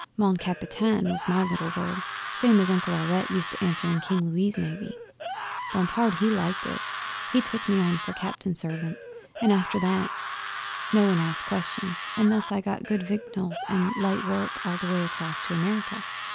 "Mon Capitaine" was my little word, same as Uncle Aurette used to answer in King Louis' Navy. Bompard, he liked it. He took me on for cabin servant, and after that no one asked questions; and thus I got good victuals and light work all the way across to America.